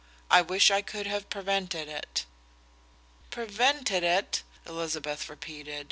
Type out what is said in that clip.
I wish I could have prevented it." "Prevented it?" Elizabeth repeated.